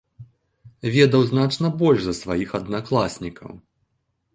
Ведаў значна больш за сваіх аднакласнікаў.